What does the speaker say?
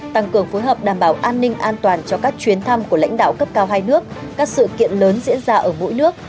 tăng cường phối hợp đảm bảo an ninh an toàn cho các chuyến thăm của lãnh đạo cấp cao hai nước các sự kiện lớn diễn ra ở mỗi nước